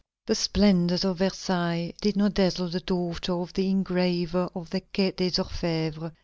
The splendors of Versailles did not dazzle the daughter of the engraver of the Quai des Orfèvres.